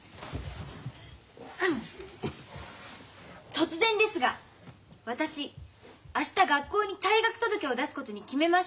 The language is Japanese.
突然ですが私明日学校に退学届を出すことに決めました。